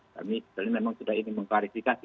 kami sebenarnya memang sudah ingin mengklarifikasi